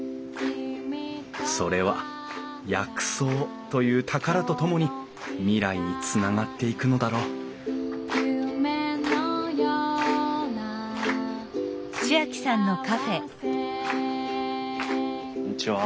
それは薬草という宝と共に未来につながっていくのだろうこんにちは。